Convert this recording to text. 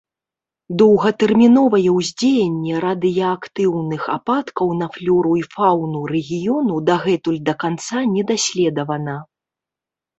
Доўгатэрміновае ўздзеянне радыеактыўных ападкаў на флёру і фаўну рэгіёну дагэтуль да канца не даследавана.